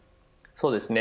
そうですね。